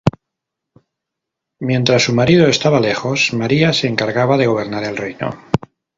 Mientras su marido estaba lejos, María se encargaba de gobernar el reino.